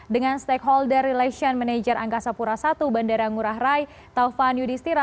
dengan stakeholder relation manager angkasa pura i bandara ngurah rai taufan yudhistira